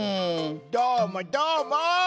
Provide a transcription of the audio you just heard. どーもどーも！